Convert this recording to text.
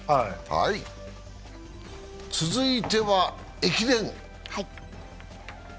続いては駅伝。